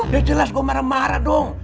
udah jelas gue marah marah dong